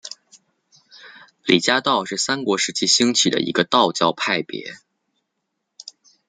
李家道是三国时期兴起的一个道教派别。